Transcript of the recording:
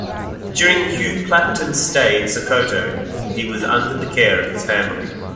During Hugh Clapperton's stay in Sokoto, he was under the care of his family.